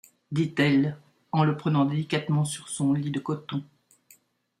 dit-elle en le prenant délicatement sur son lit de coton.